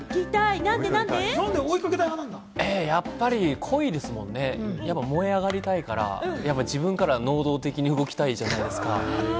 やっぱり恋ですもんね、燃え上がりたいから、自分から能動的に動きたいじゃないですか。